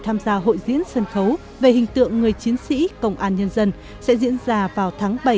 tham gia hội diễn sân khấu về hình tượng người chiến sĩ công an nhân dân sẽ diễn ra vào tháng bảy